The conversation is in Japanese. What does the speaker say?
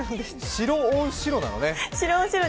白オン白なのね。